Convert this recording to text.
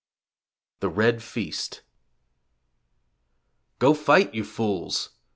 THE RED FEAST Go fight, you fools!